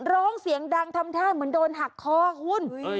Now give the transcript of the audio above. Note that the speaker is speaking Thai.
ร้องเสียงดังทำท่าเหมือนโดนหักคอคุณ